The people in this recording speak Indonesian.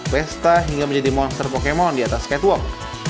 pesta hingga menjadi monster pokemon di atas catwalk